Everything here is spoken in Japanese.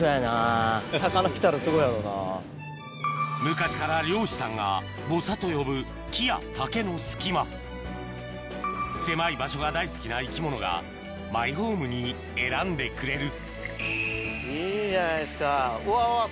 昔から漁師さんがボサと呼ぶ木や竹の隙間狭い場所が大好きな生き物がマイホームに選んでくれるいいじゃないですかうわうわ。